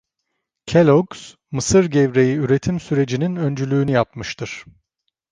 Kelloggs, mısır gevreği üretim sürecinin öncülüğünü yapmıştır.